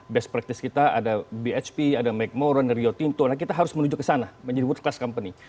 best practice kita ada bhp ada mcmoran dari youture kita harus menuju ke sana menjadi world class company